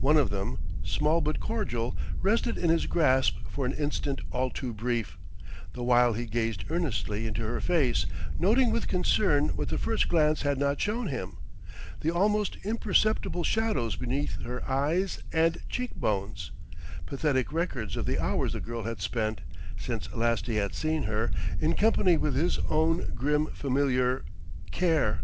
One of them, small but cordial, rested in his grasp for an instant all too brief, the while he gazed earnestly into her face, noting with concern what the first glance had not shown him, the almost imperceptible shadows beneath her eyes and cheek bones, pathetic records of the hours the girl had spent, since last he had seen her, in company with his own grim familiar, Care.